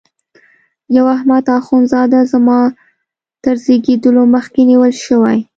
یو احمد اخوند زاده زما تر زیږېدلو مخکي نیول شوی.